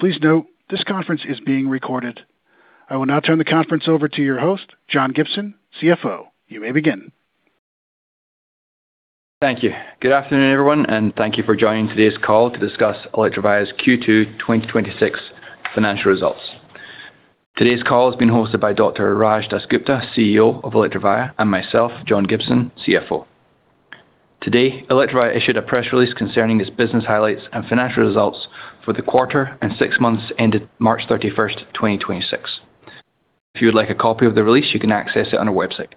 Please note, this conference is being recorded. I will now turn the conference over to your host, John Gibson, CFO. You may begin. Thank you. Good afternoon, everyone, and thank you for joining today's call to discuss Electrovaya's Q2 2026 financial results. Today's call is being hosted by Dr. Raj DasGupta, CEO of Electrovaya, and myself, John Gibson, CFO. Today, Electrovaya issued a press release concerning its business highlights and financial results for the quarter and six months ended March 31st, 2026. If you would like a copy of the release, you can access it on our website.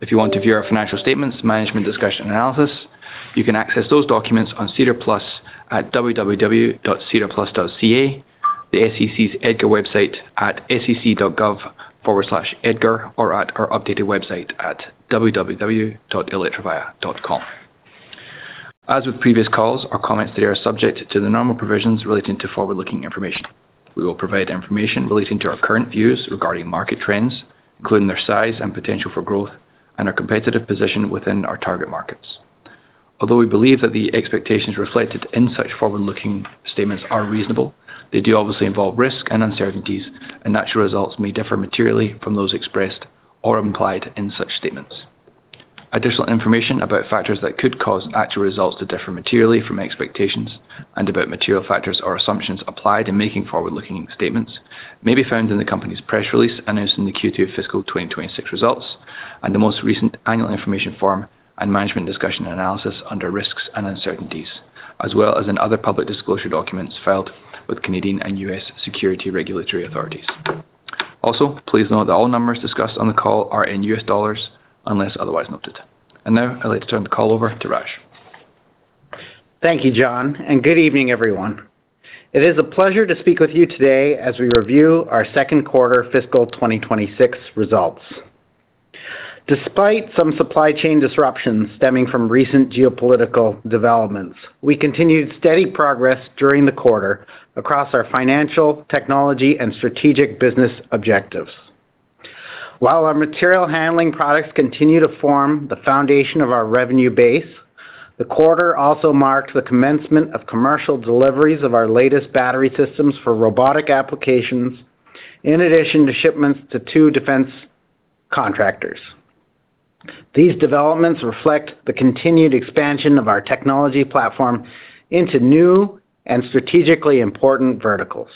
If you want to view our financial statements, management discussion analysis, you can access those documents on SEDAR+ at www.sedarplus.ca, the SEC's EDGAR website at sec.gov/edgar, or at our updated website at www.electrovaya.com. As with previous calls, our comments today are subject to the normal provisions relating to forward-looking information. We will provide information relating to our current views regarding market trends, including their size and potential for growth and our competitive position within our target markets. Although we believe that the expectations reflected in such forward-looking statements are reasonable, they do obviously involve risk and uncertainties, and actual results may differ materially from those expressed or implied in such statements. Additional information about factors that could cause actual results to differ materially from expectations and about material factors or assumptions applied in making forward-looking statements may be found in the company's press release announcing the Q2 fiscal 2026 results and the most recent annual information form and management discussion and analysis under risks and uncertainties, as well as in other public disclosure documents filed with Canadian and U.S. security regulatory authorities. Also, please note that all numbers discussed on the call are in U.S. dollars, unless otherwise noted. Now, I'd like to turn the call over to Raj. Thank you, John, and good evening, everyone. It is a pleasure to speak with you today as we review our second quarter fiscal 2026 results. Despite some supply chain disruptions stemming from recent geopolitical developments, we continued steady progress during the quarter across our financial, technology, and strategic business objectives. While our material handling products continue to form the foundation of our revenue base, the quarter also marks the commencement of commercial deliveries of our latest battery systems for robotic applications, in addition to shipments to two defense contractors. These developments reflect the continued expansion of our technology platform into new and strategically important verticals.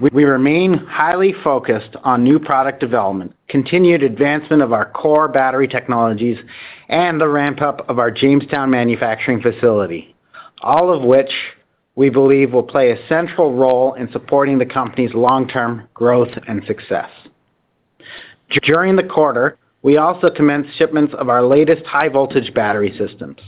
We remain highly focused on new product development, continued advancement of our core battery technologies, and the ramp-up of our Jamestown manufacturing facility, all of which we believe will play a central role in supporting the company's long-term growth and success. During the quarter, we also commenced shipments of our latest high-voltage battery systems.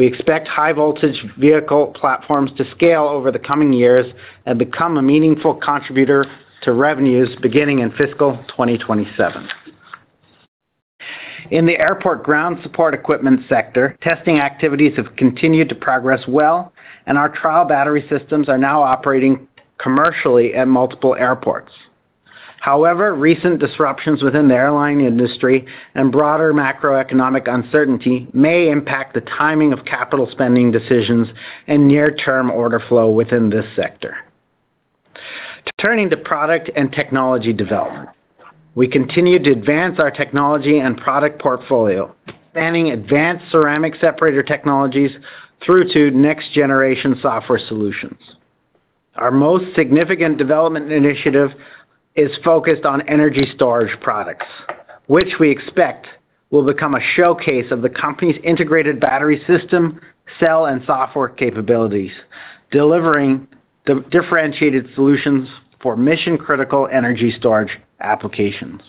We expect high-voltage vehicle platforms to scale over the coming years and become a meaningful contributor to revenues beginning in fiscal 2027. In the airport ground support equipment sector, testing activities have continued to progress well, and our trial battery systems are now operating commercially at multiple airports. However, recent disruptions within the airline industry and broader macroeconomic uncertainty may impact the timing of capital spending decisions and near-term order flow within this sector. Turning to product and technology development. We continue to advance our technology and product portfolio, spanning advanced ceramic separator technologies through to next-generation software solutions. Our most significant development initiative is focused on energy storage products, which we expect will become a showcase of the company's integrated battery system, cell, and software capabilities, delivering the differentiated solutions for mission-critical energy storage applications.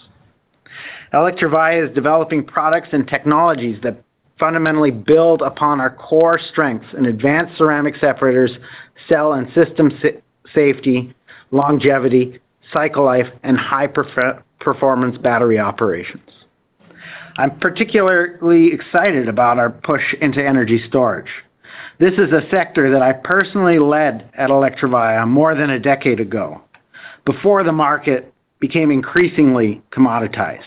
Electrovaya is developing products and technologies that fundamentally build upon our core strengths in advanced ceramic separators, cell and system safety, longevity, cycle life, and high performance battery operations. I'm particularly excited about our push into energy storage. This is a sector that I personally led at Electrovaya more than a decade ago, before the market became increasingly commoditized.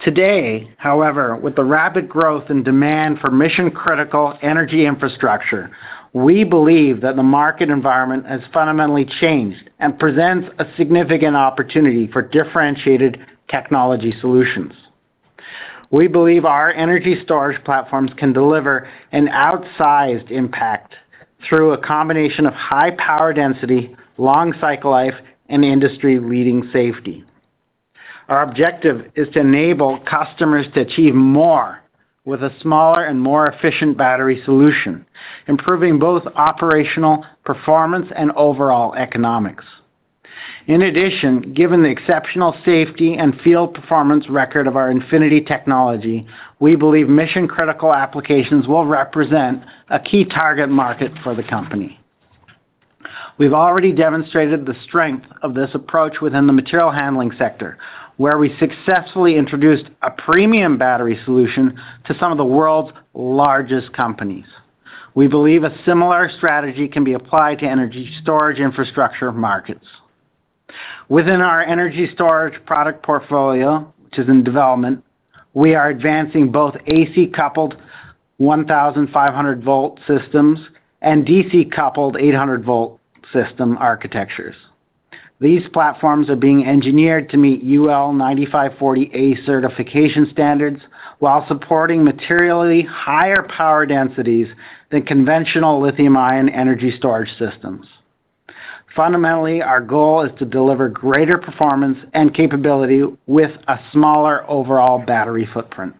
Today, however, with the rapid growth and demand for mission-critical energy infrastructure, we believe that the market environment has fundamentally changed and presents a significant opportunity for differentiated technology solutions. We believe our energy storage platforms can deliver an outsized impact through a combination of high power density, long cycle life, and industry-leading safety. Our objective is to enable customers to achieve more with a smaller and more efficient battery solution, improving both operational performance and overall economics. In addition, given the exceptional safety and field performance record of our Infinity Battery Technology, we believe mission-critical applications will represent a key target market for the company. We've already demonstrated the strength of this approach within the material handling sector, where we successfully introduced a premium battery solution to some of the world's largest companies. We believe a similar strategy can be applied to energy storage infrastructure markets. Within our energy storage product portfolio, which is in development, we are advancing both AC-coupled 1,500 volt systems and DC-coupled 800 volt system architectures. These platforms are being engineered to meet UL 9540 certification standards while supporting materially higher power densities than conventional lithium-ion energy storage systems. Fundamentally, our goal is to deliver greater performance and capability with a smaller overall battery footprint.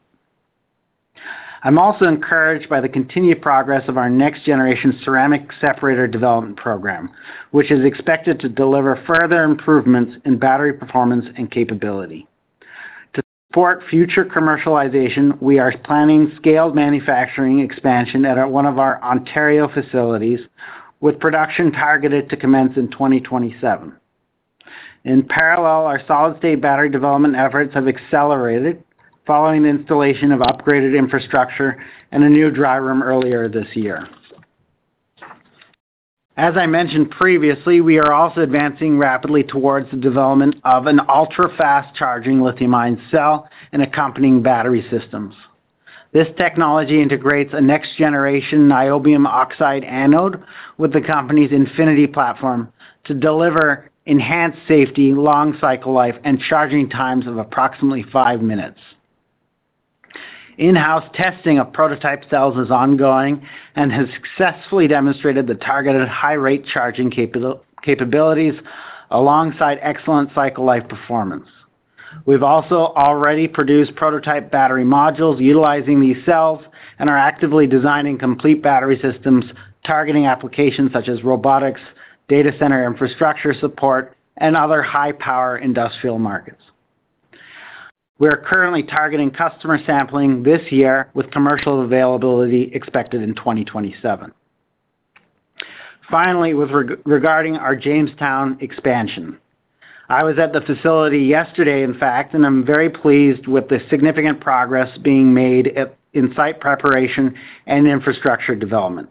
I'm also encouraged by the continued progress of our next-generation ceramic separator development program, which is expected to deliver further improvements in battery performance and capability. To support future commercialization, we are planning scaled manufacturing expansion at one of our Ontario facilities, with production targeted to commence in 2027. In parallel, our solid-state battery development efforts have accelerated following installation of upgraded infrastructure and a new dry room earlier this year. As I mentioned previously, we are also advancing rapidly towards the development of an ultra-fast-charging lithium-ion cell and accompanying battery systems. This technology integrates a next-generation niobium oxide anode with the company's Infinity platform to deliver enhanced safety, long cycle life, and charging times of approximately five minutes. In-house testing of prototype cells is ongoing and has successfully demonstrated the targeted high-rate charging capabilities alongside excellent cycle life performance. We've also already produced prototype battery modules utilizing these cells and are actively designing complete battery systems targeting applications such as robotics, data center infrastructure support, and other high-power industrial markets. We are currently targeting customer sampling this year, with commercial availability expected in 2027. Finally, regarding our Jamestown expansion. I was at the facility yesterday, in fact, and I'm very pleased with the significant progress being made in site preparation and infrastructure development.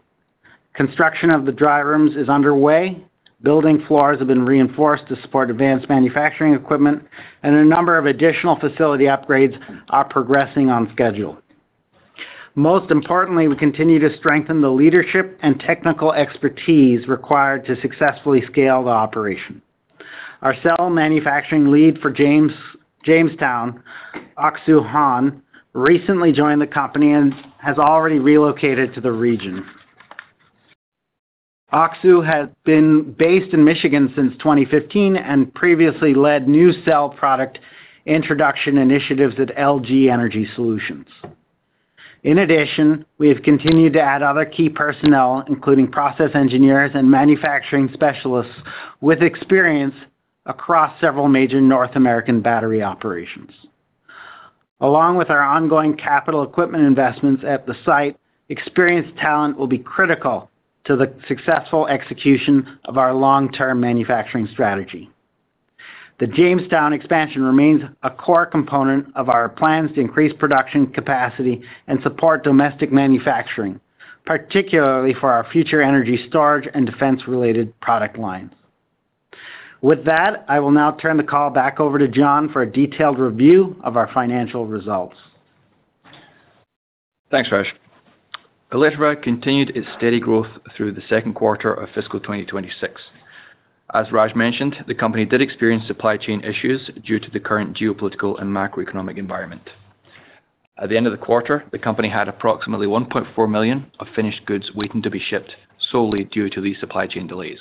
Construction of the dry rooms is underway. Building floors have been reinforced to support advanced manufacturing equipment, and a number of additional facility upgrades are progressing on schedule. Most importantly, we continue to strengthen the leadership and technical expertise required to successfully scale the operation. Our Cell Manufacturing Lead for Jamestown, Ok-soo Han, recently joined the company and has already relocated to the region. Ok-soo has been based in Michigan since 2015 and previously led new cell product introduction initiatives at LG Energy Solution. In addition, we have continued to add other key personnel, including process engineers and manufacturing specialists with experience across several major North American battery operations. Along with our ongoing capital equipment investments at the site, experienced talent will be critical to the successful execution of our long-term manufacturing strategy. The Jamestown expansion remains a core component of our plans to increase production capacity and support domestic manufacturing, particularly for our future energy storage and defense-related product lines. With that, I will now turn the call back over to John for a detailed review of our financial results. Thanks, Raj. Electrovaya continued its steady growth through the second quarter of fiscal 2026. As Raj mentioned, the company did experience supply chain issues due to the current geopolitical and macroeconomic environment. At the end of the quarter, the company had approximately $1.4 million of finished goods waiting to be shipped solely due to these supply chain delays.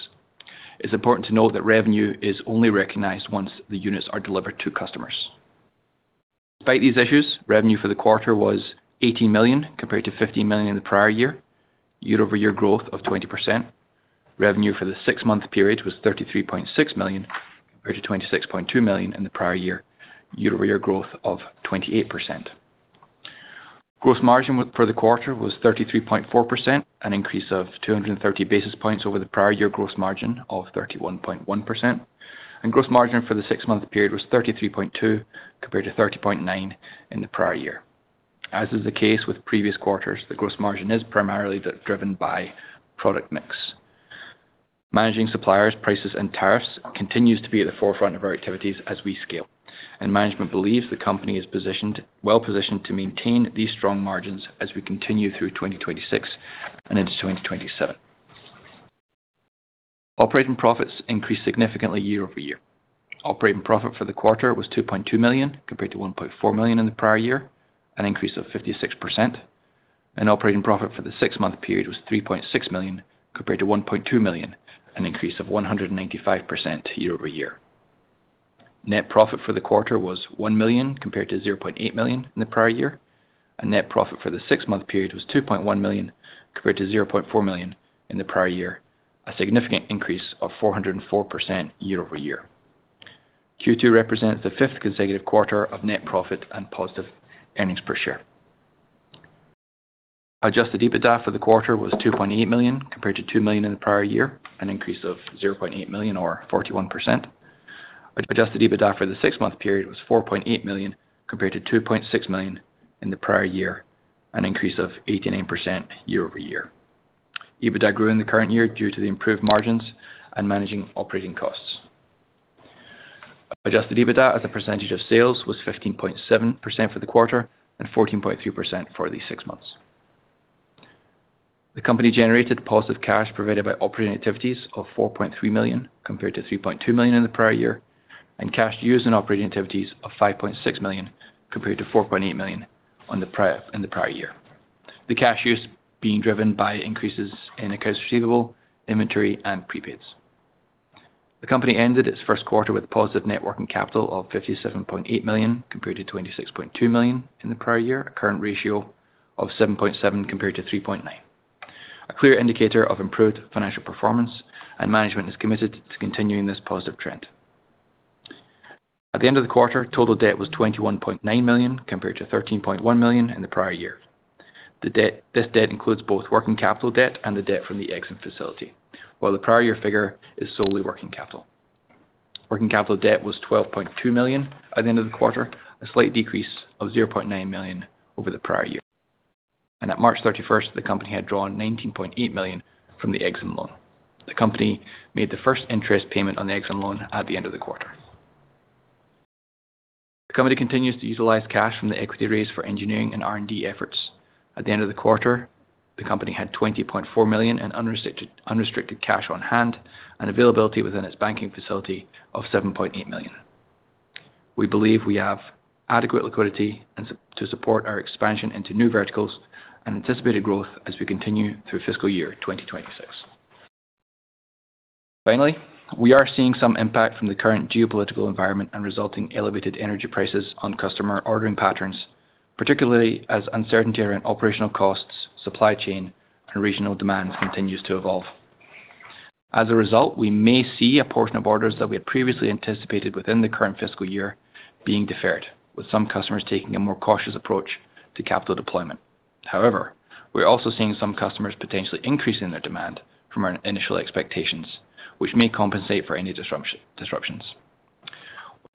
It's important to note that revenue is only recognized once the units are delivered to customers. Despite these issues, revenue for the quarter was $18 million compared to $15 million in the prior year-over-year growth of 20%. Revenue for the six-month period was $33.6 million compared to $26.2 million in the prior year-over-year growth of 28%. Gross margin for the quarter was 33.4%, an increase of 230 basis points over the prior year gross margin of 31.1%. Gross margin for the six-month period was 33.2% compared to 30.9% in the prior year. As is the case with previous quarters, the gross margin is primarily driven by product mix. Managing suppliers, prices, and tariffs continues to be at the forefront of our activities as we scale, and management believes the company is well-positioned to maintain these strong margins as we continue through 2026 and into 2027. Operating profits increased significantly year-over-year. Operating profit for the quarter was $2.2 million compared to $1.4 million in the prior year, an increase of 56%. Operating profit for the six-month period was $3.6 million compared to $1.2 million, an increase of 195% year-over-year. Net profit for the quarter was $1 million compared to $0.8 million in the prior year. Net profit for the six-month period was $2.1 million compared to $0.4 million in the prior year, a significant increase of 404% year-over-year. Q2 represents the fifth consecutive quarter of net profit and positive earnings per share. Adjusted EBITDA for the quarter was $2.8 million compared to $2 million in the prior year, an increase of $0.8 million or 41%. Adjusted EBITDA for the six-month period was $4.8 million compared to $2.6 million in the prior year, an increase of 89% year-over-year. EBITDA grew in the current year due to the improved margins and managing operating costs. Adjusted EBITDA as a percentage of sales was 15.7% for the quarter and 14.3% for the six months. The company generated positive cash provided by operating activities of $4.3 million, compared to $3.2 million in the prior year, and cash used in operating activities of $5.6 million, compared to $4.8 million in the prior year. The cash use being driven by increases in accounts receivable, inventory, and prepaids. The company ended its first quarter with a positive net working capital of $57.8 million, compared to $26.2 million in the prior year, a current ratio of 7.7x compared to 3.9x. A clear indicator of improved financial performance and management is committed to continuing this positive trend. At the end of the quarter, total debt was $21.9 million compared to $13.1 million in the prior year. This debt includes both working capital debt and the debt from the EXIM facility, while the prior year figure is solely working capital. Working capital debt was $12.2 million at the end of the quarter, a slight decrease of $0.9 million over the prior year. At March 31st, the company had drawn $19.8 million from the EXIM loan. The company made the first interest payment on the EXIM loan at the end of the quarter. The company continues to utilize cash from the equity raise for engineering and R&D efforts. At the end of the quarter, the company had $20.4 million in unrestricted cash on hand and availability within its banking facility of $7.8 million. We believe we have adequate liquidity to support our expansion into new verticals and anticipated growth as we continue through fiscal year 2026. Finally, we are seeing some impact from the current geopolitical environment and resulting elevated energy prices on customer ordering patterns, particularly as uncertainty around operational costs, supply chain, and regional demand continues to evolve. As a result, we may see a portion of orders that we had previously anticipated within the current fiscal year being deferred, with some customers taking a more cautious approach to capital deployment. We're also seeing some customers potentially increasing their demand from our initial expectations, which may compensate for any disruptions.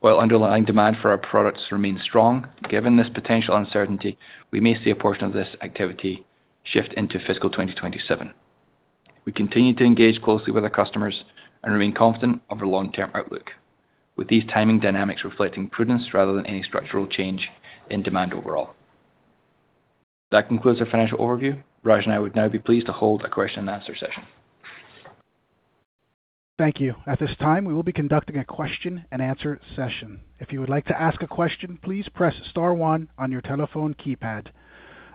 While underlying demand for our products remains strong, given this potential uncertainty, we may see a portion of this activity shift into fiscal 2027. We continue to engage closely with our customers and remain confident of our long-term outlook. With these timing dynamics reflecting prudence rather than any structural change in demand overall. That concludes our financial overview. Raj and I would now be pleased to hold a question-and-answer session. Thank you. At this time, we will be conducting a question-and answer-session. If you would like to ask a question, please press star one on your telephone keypad.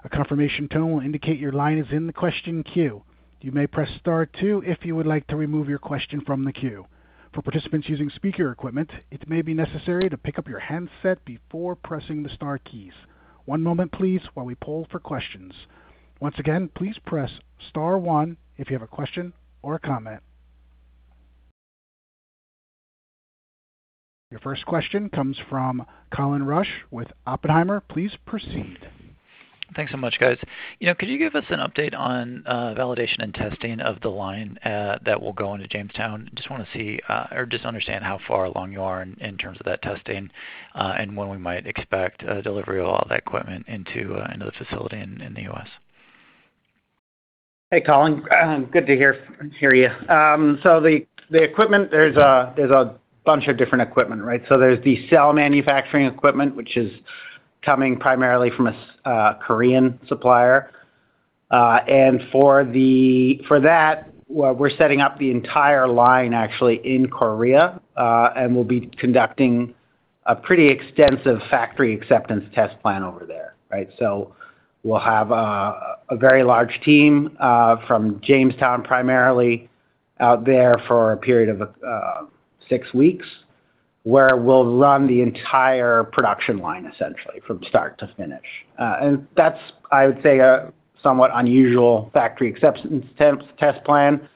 A confirmation tone will indicate your line is in the question queue. You may press star two if you would like to remove your question from the queue. For participants using speaker equipment, it may be necessary to pick up your handset before pressing the star keys. One moment please while we poll for questions. Once again, please press star one if you have a question or a comment. Your first question comes from Colin Rusch with Oppenheimer. Please proceed. Thanks so much, guys. You know, could you give us an update on validation and testing of the line that will go into Jamestown? Just wanna see or just understand how far along you are in terms of that testing and when we might expect delivery of all that equipment into the facility in the U.S. Hey, Colin. Good to hear you. The equipment, there's a bunch of different equipment, right? There's the cell manufacturing equipment, which is coming primarily from a Korean supplier. For that, well, we're setting up the entire line actually in Korea, and we'll be conducting a pretty extensive factory acceptance test plan over there, right? We'll have a very large team from Jamestown primarily out there for a period of six weeks, where we'll run the entire production line essentially from start to finish. That's, I would say, a somewhat unusual factory acceptance test plan,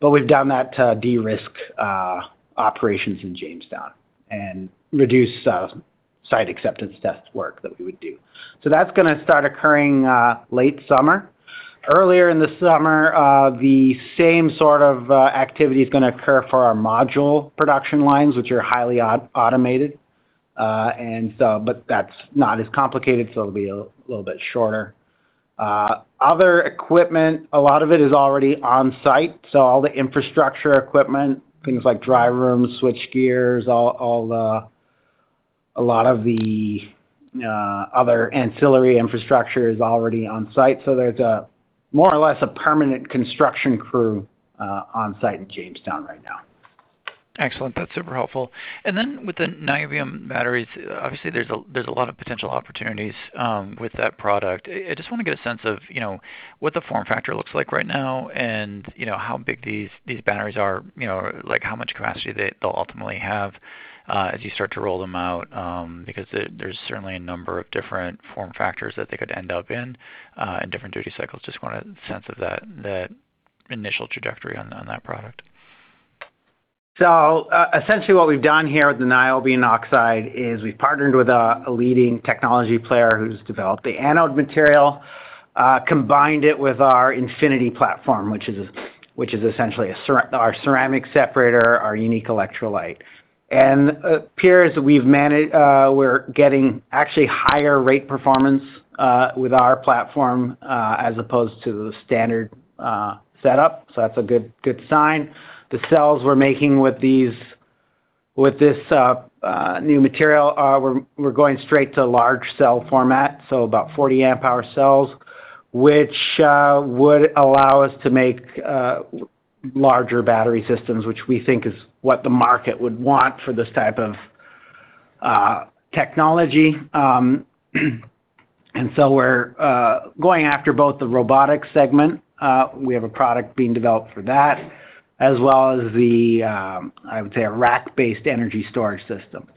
but we've done that to de-risk operations in Jamestown and reduce site acceptance test work that we would do. That's gonna start occurring late summer. Earlier in the summer, the same sort of activity is gonna occur for our module production lines, which are highly automated. That's not as complicated, so it'll be a little bit shorter. Other equipment, a lot of it is already on site, so all the infrastructure equipment, things like dry rooms, switch gears, all the a lot of the other ancillary infrastructure is already on site. There's more or less a permanent construction crew on site in Jamestown right now. Excellent. That's super helpful. Then with the niobium batteries, obviously there's a lot of potential opportunities with that product. I just wanna get a sense of, you know, what the form factor looks like right now and, you know, how big these batteries are, you know, like how much capacity they'll ultimately have as you start to roll them out because there's certainly a number of different form factors that they could end up in and different duty cycles. Just want a sense of that initial trajectory on that product. essentially what we've done here with the niobium oxide is we've partnered with a leading technology player who's developed the anode material, combined it with our Infinity platform, which is a Which is essentially our ceramic separator, our unique electrolyte. It appears we're getting actually higher rate performance with our platform as opposed to the standard setup, so that's a good sign. The cells we're making with this new material are going straight to large cell format, so about 40 Amp-hour cells, which would allow us to make larger battery systems, which we think is what the market would want for this type of technology. We're going after both the Robotics segment, we have a product being developed for that, as well as, I would say, a rack-based energy storage system.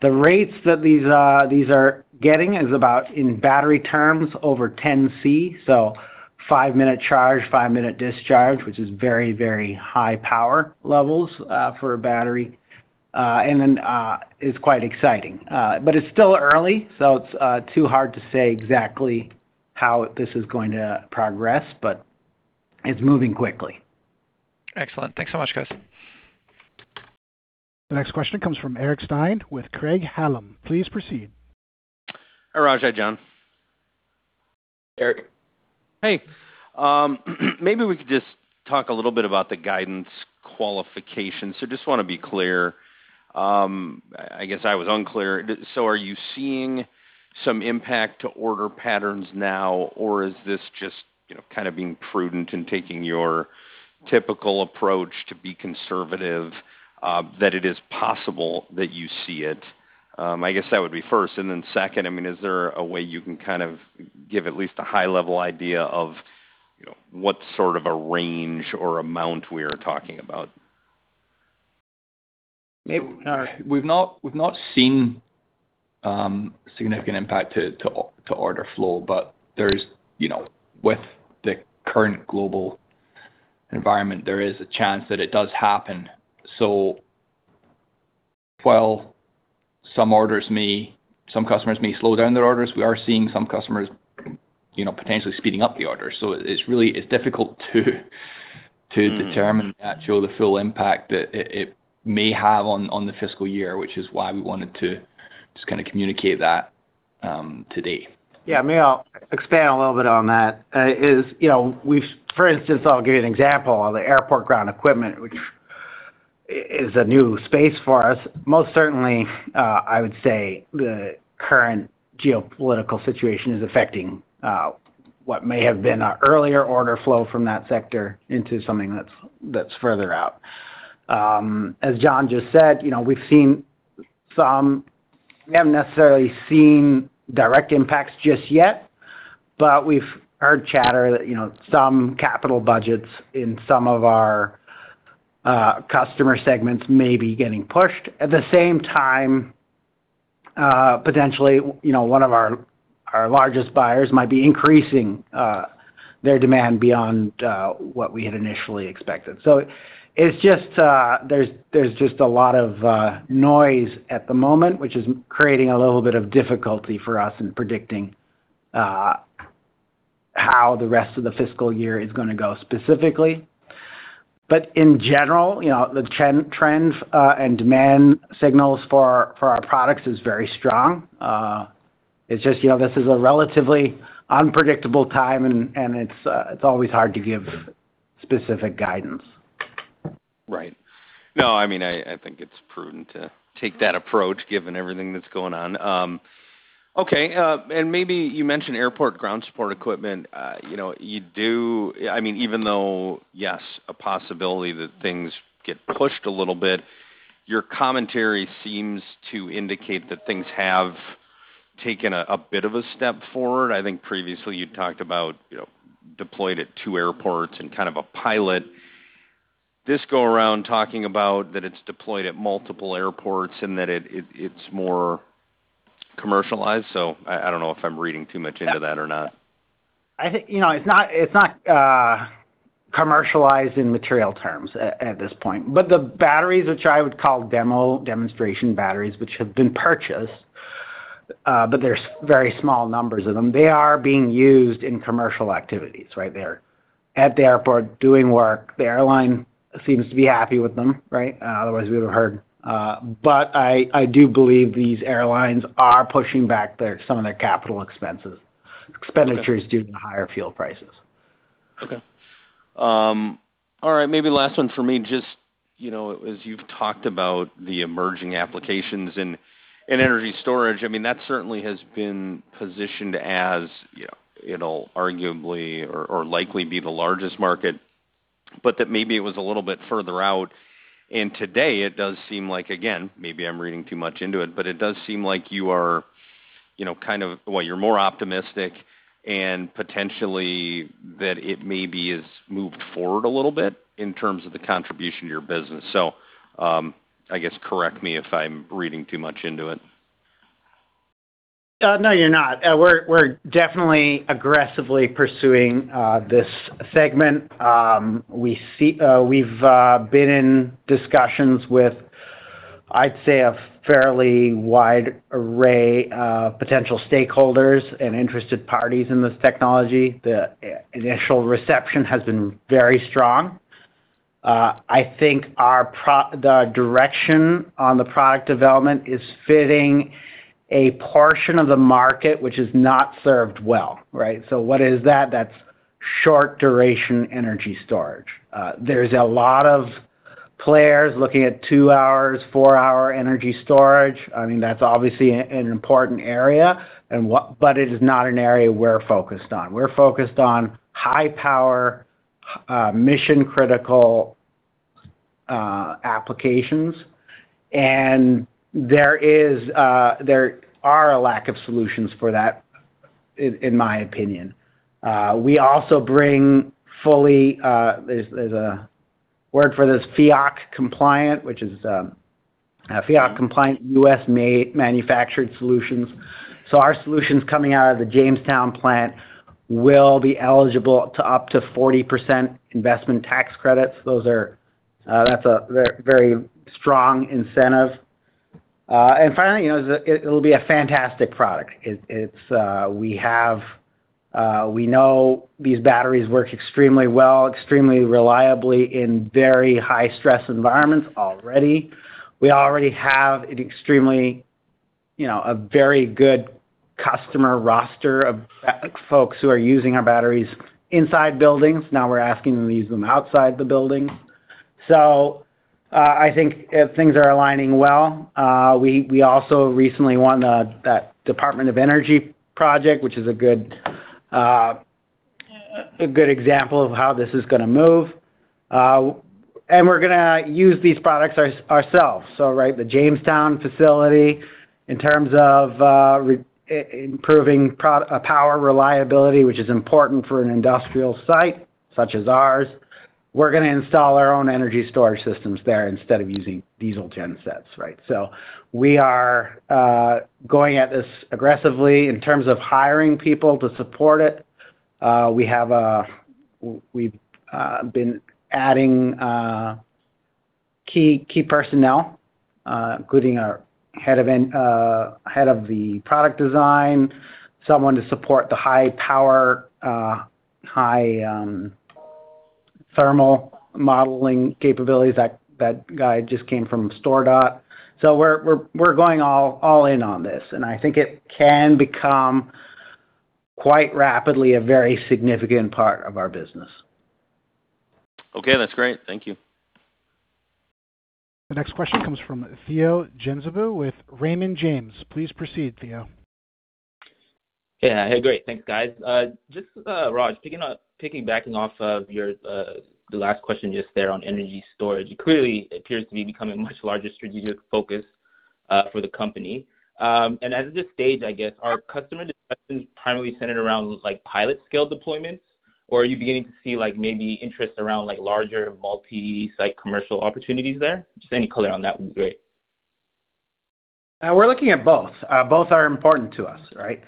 The rates that these are getting is about, in battery terms, over 10C, so five-minute charge, five-minute discharge, which is very, very high power levels, for a battery. It's quite exciting. It's still early, so it's too hard to say exactly how this is going to progress, but it's moving quickly. Excellent. Thanks so much, guys. The next question comes from Eric Stine with Craig-Hallum. Please proceed. Hi, Raj. Hi, John. Eric. Hey. Maybe we could just talk a little bit about the guidance qualification. Just wanna be clear, I guess I was unclear. Are you seeing some impact to order patterns now, or is this just, you know, kind of being prudent and taking your typical approach to be conservative, that it is possible that you see it? I guess that would be first. Second, I mean, is there a way you can kind of give at least a high level idea of, you know, what sort of a range or amount we're talking about? Maybe we've not seen significant impact to order flow, but there's, you know, with the current global environment, there is a chance that it does happen. While some orders may some customers may slow down their orders, we are seeing some customers, you know, potentially speeding up the orders. It's really difficult to determine the actual full impact that it may have on the fiscal year, which is why we wanted to just kind of communicate that today. Yeah, maybe I'll expand a little bit on that, is, you know, we've for instance, I'll give you an example of the airport ground equipment, which is a new space for us. Most certainly, I would say the current geopolitical situation is affecting what may have been an earlier order flow from that sector into something that's further out. As John just said, you know, we've seen some we haven't necessarily seen direct impacts just yet, but we've heard chatter that, you know, some capital budgets in some of our customer segments may be getting pushed. At the same time, potentially, you know, one of our largest buyers might be increasing their demand beyond what we had initially expected. It's just there's just a lot of noise at the moment, which is creating a little bit of difficulty for us in predicting how the rest of the fiscal year is gonna go specifically. In general, you know, the trends and demand signals for our products is very strong. It's just, you know, this is a relatively unpredictable time and it's always hard to give specific guidance. Right. No, I mean, I think it's prudent to take that approach given everything that's going on. Okay. Maybe you mentioned airport ground support equipment. You know, you do, I mean, even though, yes, a possibility that things get pushed a little bit, your commentary seems to indicate that things have taken a bit of a step forward. I think previously you talked about, you know, deployed at two airports and kind of a pilot. This go around talking about that it's deployed at multiple airports and that it's more commercialized. I don't know if I'm reading too much into that or not. I think, you know, it's not commercialized in material terms at this point. The batteries, which I would call demo, demonstration batteries, which have been purchased, but there's very small numbers of them, they are being used in commercial activities. Right? They're at the airport doing work. The airline seems to be happy with them, right? Otherwise, we would've heard. I do believe these airlines are pushing back some of their capital expenses, expenditures due to higher fuel prices. Okay. All right, maybe last one for me, just, you know, as you've talked about the emerging applications in energy storage, I mean, that certainly has been positioned as, you know, it'll arguably or likely be the largest market, but that maybe it was a little bit further out. Today it does seem like, again, maybe I'm reading too much into it, but it does seem like you are, you know, kind of well, you're more optimistic and potentially that it may be is moved forward a little bit in terms of the contribution to your business. I guess correct me if I'm reading too much into it. No, you're not. We're definitely aggressively pursuing this segment. We see we've been in discussions with I'd say a fairly wide array of potential stakeholders and interested parties in this technology. The initial reception has been very strong. I think the direction on the product development is fitting a portion of the market which is not served well, right? What is that? That's short-duration energy storage. There's a lot of players looking at two hours, four-hour energy storage. I mean, that's obviously an important area, and it is not an area we're focused on. We're focused on high-power, mission-critical applications, and there are a lack of solutions for that in my opinion. We also bring fully, there's a word for this, FEOC compliant, which is a FEOC-compliant U.S.-made manufactured solutions. Our solutions coming out of the Jamestown plant will be eligible to up to 40% investment tax credits. That's a very, very strong incentive. Finally, you know, it'll be a fantastic product. We know these batteries work extremely well, extremely reliably in very high-stress environments already. We already have an extremely, you know, a very good customer roster of folks who are using our batteries inside buildings. Now we're asking them to use them outside the building. I think things are aligning well. We also recently won that Department of Energy project, which is a good example of how this is gonna move. We're gonna use these products ourselves. Right, the Jamestown facility, in terms of improving power reliability, which is important for an industrial site such as ours, we're gonna install our own energy storage systems there instead of using diesel gen sets, right? We are going at this aggressively in terms of hiring people to support it. We've been adding key personnel, including our head of product design, someone to support the high power, high thermal modeling capabilities. That guy just came from StoreDot. we're going all in on this, and I think it can become quite rapidly a very significant part of our business. Okay. That's great. Thank you. The next question comes from Theo Genzebu with Raymond James. Please proceed, Theo. Yeah. Hey, great. Thanks, guys. Just, Raj, backing off of your the last question just there on energy storage, it clearly appears to be becoming a much larger strategic focus for the company. At this stage, I guess, are customer discussions primarily centered around those, like, pilot-scale deployments, or are you beginning to see, like, maybe interest around, like, larger multi-site commercial opportunities there? Just any color on that would be great. We're looking at both. Both are important to us, right?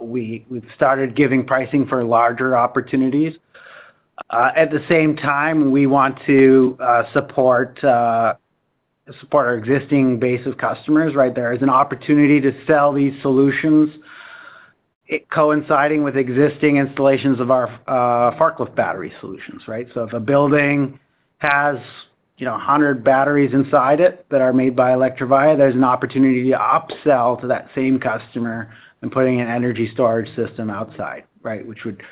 We've started giving pricing for larger opportunities. At the same time, we want to support our existing base of customers, right? There is an opportunity to sell these solutions, it coinciding with existing installations of our forklift battery solutions, right? If a building has, you know, 100 batteries inside it that are made by Electrovaya, there's an opportunity to upsell to that same customer in putting an energy storage system outside, right, which would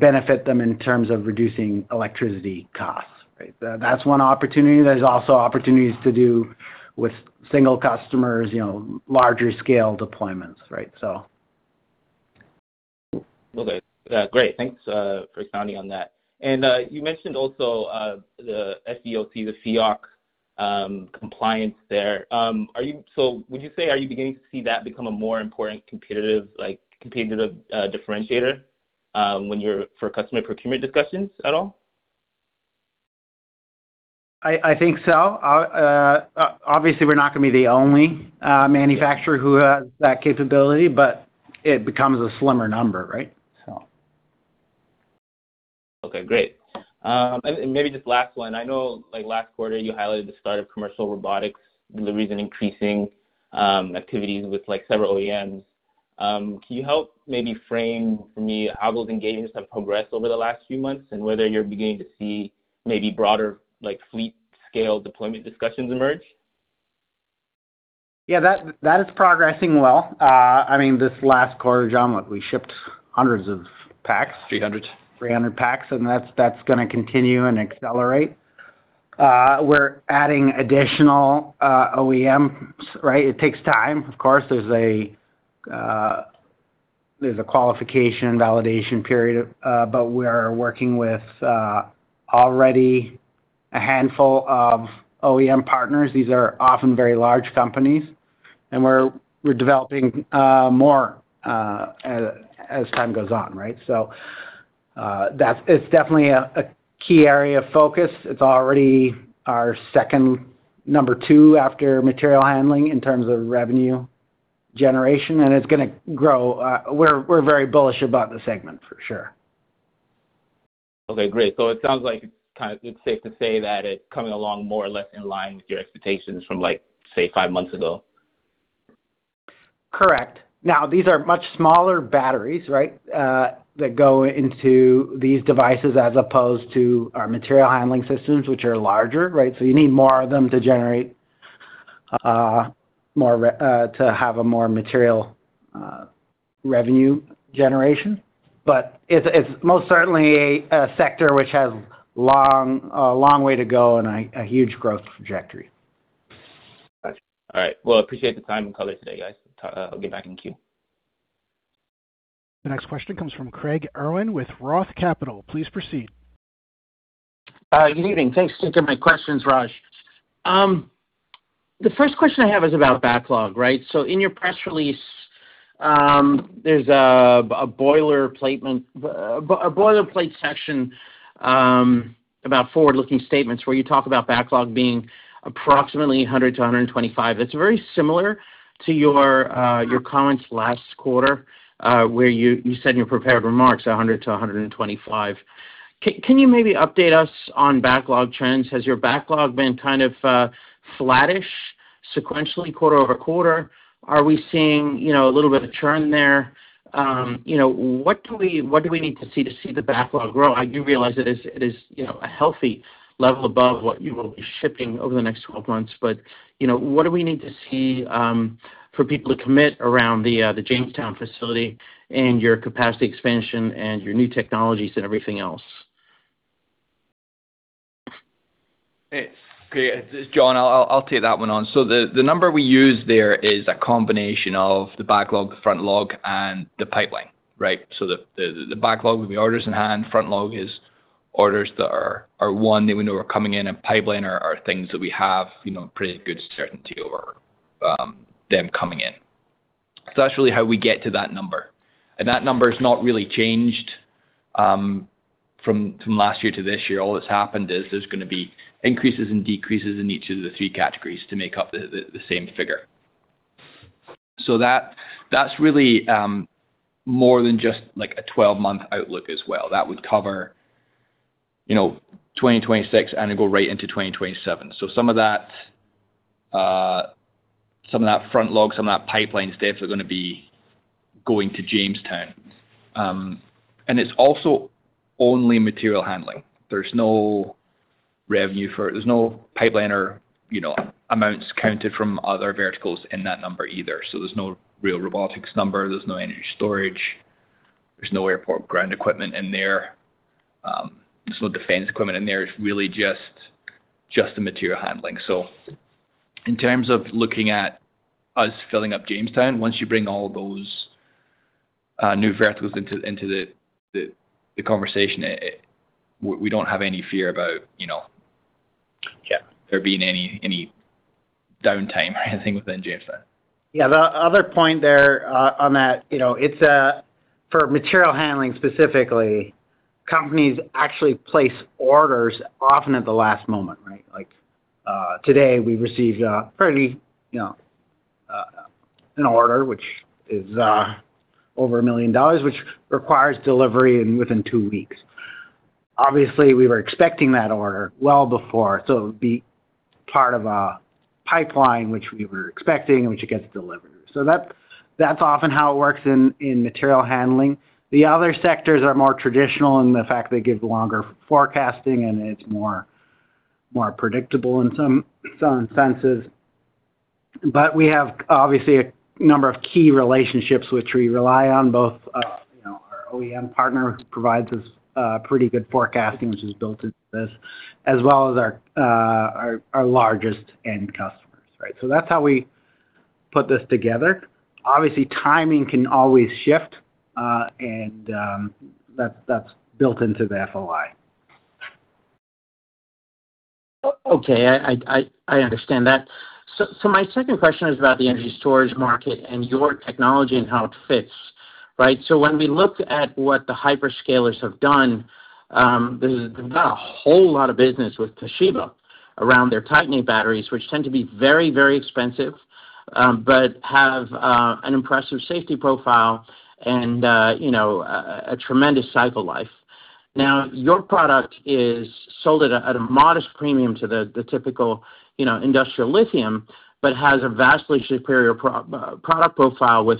benefit them in terms of reducing electricity costs, right? That's one opportunity. There's also opportunities to do with single customers, you know, larger scale deployments, right? Okay. Great. Thanks for expanding on that. You mentioned also the FEOC compliance there. Are you beginning to see that become a more important competitive, like, competitive differentiator for customer procurement discussions at all? I think so. Obviously, we're not gonna be the only manufacturer who has that capability, but it becomes a slimmer number, right? Okay, great. Maybe just last one. I know, like, last quarter, you highlighted the start of commercial robotics deliveries and increasing activities with, like, several OEMs. Can you help maybe frame for me how those engagements have progressed over the last few months and whether you're beginning to see maybe broader, like, fleet scale deployment discussions emerge? Yeah, that is progressing well. I mean, this last quarter, John, we shipped 100s of packs. 300. 300 packs, and that's gonna continue and accelerate. We're adding additional OEMs, right? It takes time, of course. There's a qualification validation period, but we are working with already a handful of OEM partners. These are often very large companies, and we're developing more as time goes on, right? That's it's definitely a key area of focus. It's already our second number two after material handling in terms of revenue generation, and it's gonna grow. We're very bullish about the segment for sure. Okay, great. It sounds like it's safe to say that it's coming along more or less in line with your expectations from like, say, five months ago. Correct. Now, these are much smaller batteries, right, that go into these devices as opposed to our material handling systems, which are larger, right? You need more of them to generate more to have a more material revenue generation. It's most certainly a sector which has a long way to go and a huge growth trajectory. Gotcha. All right. Well, appreciate the time and color today, guys. I'll get back in queue. The next question comes from Craig Irwin with Roth Capital. Please proceed. good evening. Thanks. Two quick questions, Raj. The first question I have is about backlog, right? In your press release, there's a boilerplate section about forward-looking statements where you talk about backlog being approximately 100-125. It's very similar to your comments last quarter, where you said in your prepared remarks 100-125. Can you maybe update us on backlog trends? Has your backlog been kind of flattish sequentially quarter-over-quarter? Are we seeing, you know, a little bit of churn there? You know, what do we need to see to see the backlog grow? I do realize it is, you know, a healthy level above what you will be shipping over the next 12 months. You know, what do we need to see, for people to commit around the Jamestown facility and your capacity expansion and your new technologies and everything else? It's okay. This is John. I'll take that one on. The number we use there is a combination of the backlog, the frontlog, and the pipeline, right? The backlog would be orders in hand. Frontlog is orders that are won that we know are coming in. Pipeline are things that we have, you know, pretty good certainty over them coming in. That's really how we get to that number. That number has not really changed from last year to this year. All that's happened is there's gonna be increases and decreases in each of the three categories to make up the same figure. That's really more than just like a 12-month outlook as well. That would cover, you know, 2026 and then go right into 2027. Some of that frontlog, some of that pipeline stuff are gonna be going to Jamestown. It's also only material handling. There's no revenue for it. There's no pipeline or, you know, amounts counted from other verticals in that number either. There's no real robotics number. There's no energy storage. There's no airport ground equipment in there. There's no defense equipment in there. It's really just the material handling. In terms of looking at us filling up Jamestown, once you bring all those new verticals into the conversation, it, we don't have any fear about, you know, yeah, there being any downtime or anything within Jamestown. Yeah. The other point there, on that, you know, it's, for material handling specifically, companies actually place orders often at the last moment, right? Like, today, we received a pretty, you know, an order which is, over $1 million, which requires delivery within two weeks. Obviously, we were expecting that order well before, so it would be part of a pipeline which we were expecting and which it gets delivered. That's often how it works in material handling. The other sectors are more traditional in the fact they give longer forecasting, and it's more predictable in some senses. we have obviously a number of key relationships which we rely on both, you know, our OEM partner provides us, pretty good forecasting, which is built into this, as well as our largest end customers, right? That's how we put this together. Obviously, timing can always shift, and that's built into the FOI. Okay. I understand that. My second question is about the energy storage market and your technology and how it fits, right? When we look at what the hyperscalers have done, there's not a whole lot of business with Toshiba around their titanate batteries, which tend to be very, very expensive, but have an impressive safety profile and, you know, a tremendous cycle life. Now, your product is sold at a modest premium to the typical, you know, industrial lithium, but has a vastly superior product profile with,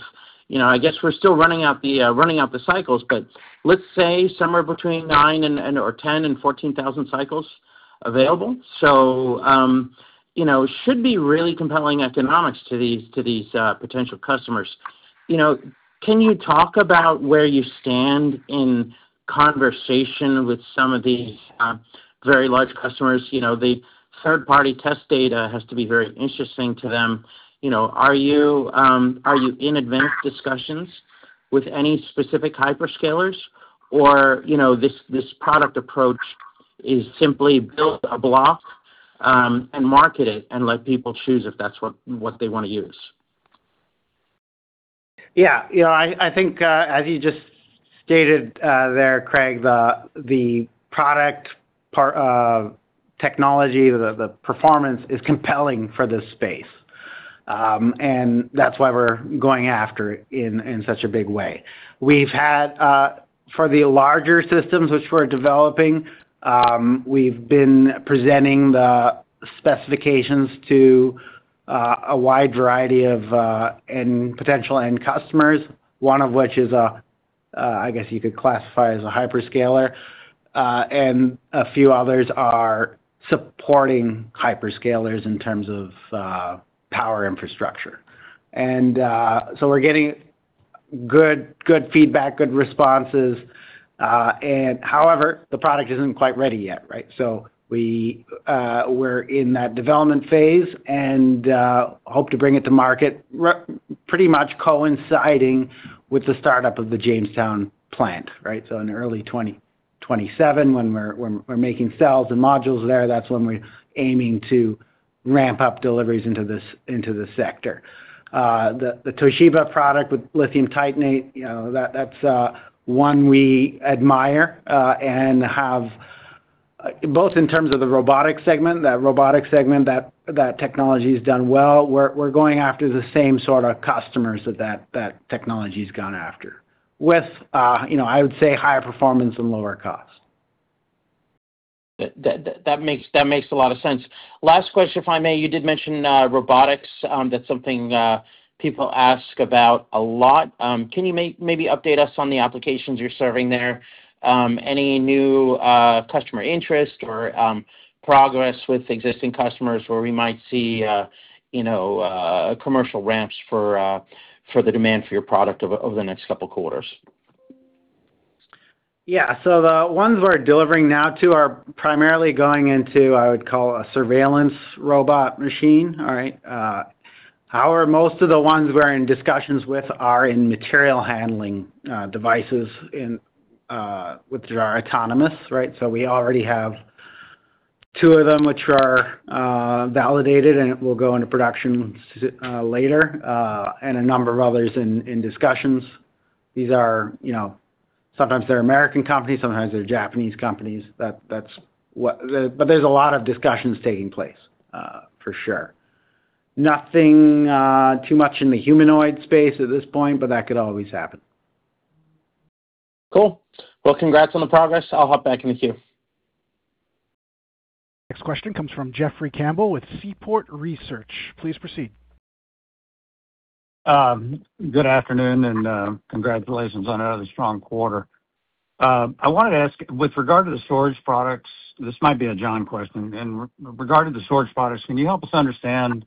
you know, I guess we're still running out the cycles, but let's say somewhere between nine and or 10 and 14,000 cycles available. You know, should be really compelling economics to these potential customers. You know, can you talk about where you stand in conversation with some of these very large customers? You know, the third-party test data has to be very interesting to them. You know, are you in advanced discussions with any specific hyperscalers? you know, this product approach is simply build a block, and market it and let people choose if that's what they wanna use. Yeah. You know, I think, as you just stated, there, Craig, the product part of technology, the performance is compelling for this space. That's why we're going after it in such a big way. We've had, for the larger systems which we're developing, we've been presenting the specifications to a wide variety of potential end customers, one of which is, I guess you could classify as a hyperscaler. A few others are supporting hyperscalers in terms of power infrastructure. We're getting good feedback, good responses. However, the product isn't quite ready yet, right? We're in that development phase, and hope to bring it to market pretty much coinciding with the startup of the Jamestown plant, right? In early 2027, when we're making cells and modules there, that's when we're aiming to ramp up deliveries into this sector. The Toshiba product with lithium titanate, you know, that's one we admire and have both in terms of the Robotics segment, that technology's done well. We're going after the same sort of customers that technology's gone after with, you know, I would say higher performance and lower cost. That makes a lot of sense. Last question, if I may. You did mention robotics. That's something people ask about a lot. Can you maybe update us on the applications you're serving there? Any new customer interest or progress with existing customers where we might see, you know, commercial ramps for the demand for your product over the next couple quarters? Yeah. The ones we're delivering now to are primarily going into, I would call a surveillance robot machine. All right. However, most of the ones we're in discussions with are in material handling devices in which are autonomous, right? We already have two of them which are validated, and it will go into production later, and a number of others in discussions. These are, you know, sometimes they're American companies, sometimes they're Japanese companies. That is what. There are a lot of discussions taking place for sure. Nothing too much in the humanoid space at this point, but that could always happen. Cool. Well, congrats on the progress. I'll hop back in the queue. Next question comes from Jeffrey Campbell with Seaport Research. Please proceed. Good afternoon, and congratulations on another strong quarter. I wanted to ask, with regard to the storage products, this might be a John question. In regard to the storage products, can you help us understand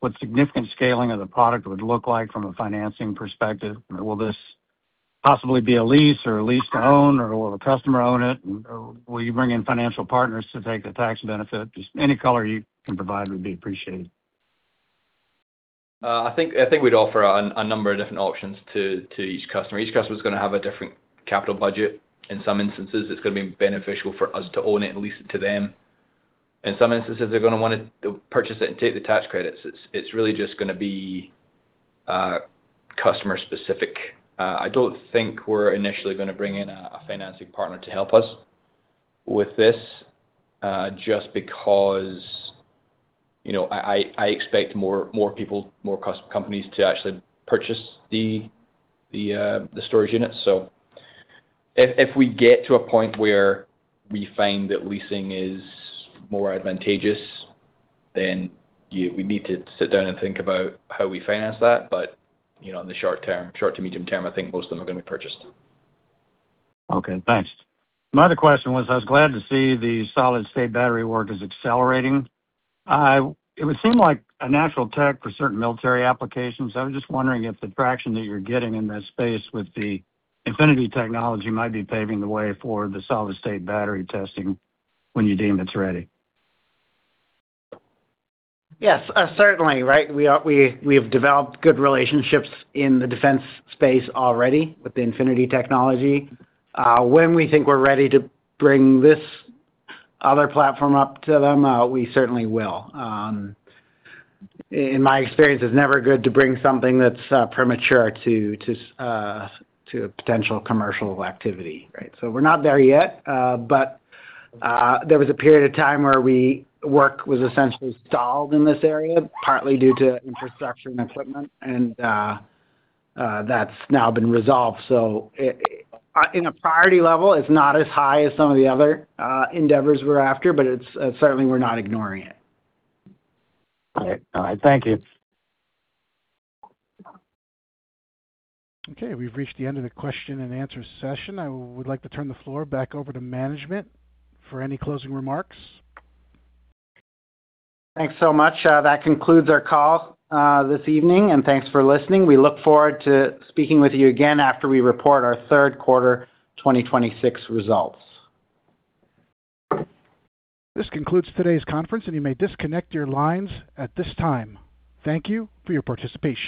what significant scaling of the product would look like from a financing perspective? Will this possibly be a lease or a lease to own or will the customer own it? Will you bring in financial partners to take the tax benefit? Just any color you can provide would be appreciated. I think we'd offer a number of different options to each customer. Each customer's gonna have a different capital budget. In some instances, it's gonna be beneficial for us to own it and lease it to them. In some instances, they're gonna wanna to purchase it and take the tax credits. It's really just gonna be customer specific. I don't think we're initially gonna bring in a financing partner to help us with this, just because, you know, I expect more people, more companies to actually purchase the storage units. If we get to a point where we find that leasing is more advantageous, then we need to sit down and think about how we finance that. You know, in the short term, short to medium term, I think most of them are going to be purchased. Okay, thanks. My other question was I was glad to see the solid-state battery work is accelerating. It would seem like a natural tech for certain military applications. I'm just wondering if the traction that you're getting in that space with the Infinity Technology might be paving the way for the solid-state battery testing when you deem it's ready. Yes, certainly, right? We have developed good relationships in the defense space already with the Infinity Technology. When we think we're ready to bring this other platform up to them, we certainly will. In my experience, it's never good to bring something that's premature to a potential commercial activity, right? We're not there yet. There was a period of time where we work was essentially stalled in this area, partly due to infrastructure and equipment, and that's now been resolved. In a priority level, it's not as high as some of the other endeavors we're after, but it's certainly we're not ignoring it. All right. All right, thank you. Okay, we've reached the end of the question and answer session. I would like to turn the floor back over to management for any closing remarks. Thanks so much. That concludes our call this evening, and thanks for listening. We look forward to speaking with you again after we report our third quarter 2026 results. This concludes today's conference, and you may disconnect your lines at this time. Thank you for your participation.